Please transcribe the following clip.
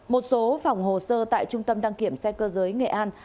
một số phòng hồ sơ tại trung tâm đăng kiểm xe cơ giới nghệ an